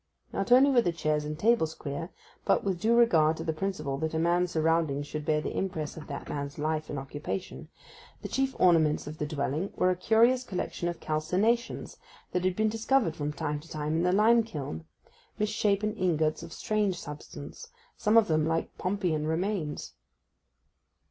Not only were the chairs and tables queer, but, with due regard to the principle that a man's surroundings should bear the impress of that man's life and occupation, the chief ornaments of the dwelling were a curious collection of calcinations, that had been discovered from time to time in the lime kiln—misshapen ingots of strange substance, some of them like Pompeian remains.